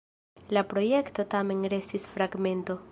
La projekto tamen restis fragmento.